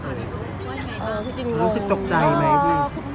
อ่าพี่จินรู้สึกตกใจไหมพี่